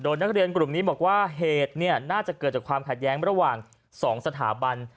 นักเรียนกลุ่มนี้บอกว่าเหตุน่าจะเกิดจากความขัดแย้งระหว่าง๒สถาบัน